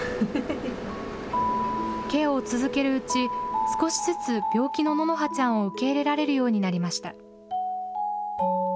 ケアを続けるうち、少しずつ病気の望花ちゃんを受け入れられるようになりました。